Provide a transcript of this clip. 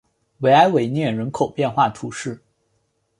维埃维涅人口变化图示